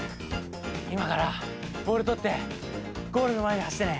いまからボールとってゴールのまえにはしってね。